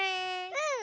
うん！